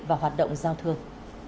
và hoạt động giao thương